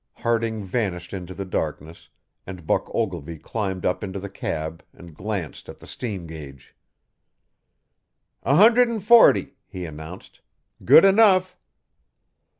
Harding vanished into the darkness, and Buck Ogilvy climbed up into the cab and glanced at the steam gauge. "A hundred and forty," he announced. "Good enough!"